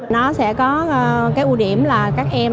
nó sẽ có cái ưu điểm là các em